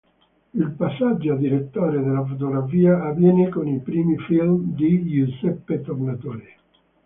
Il passaggio a direttore della fotografia avviene con i primi film di Giuseppe Tornatore.